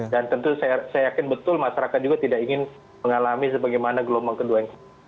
dan tentu saya yakin betul masyarakat juga tidak ingin mengalami sebagaimana gelombang kedua